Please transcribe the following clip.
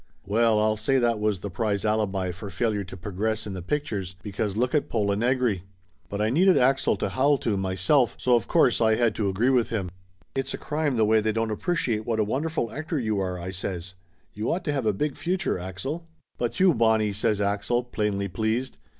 Well, I'll say that was the prize alibi for failure to progress in the pictures, because lookit Pola Negri. But I needed Axel to howl to, myself, so of course I had to agree with him. "It's a crime the way they don't appreciate what a 263 264 Laughter Limited wonderful actor you are," I says. "You ought to have a big future, Axel." "But you, Bonnie!" says Axel, plainly pleased.